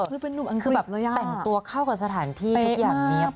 เหมือนเป็นหนุ่มอังกฤษเลยอ่ะเป๊ะมากเลยคือแบบแต่งตัวเข้ากับสถานที่ทุกอย่างนี้เป๊ะมากเลย